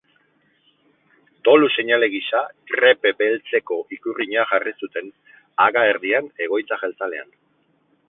Dolu seinale gisa, krepe beltzeko ikurriña jarri zuten haga erdian egoitza jeltzalean.